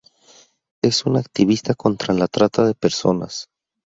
Es un activista contra la trata de personas.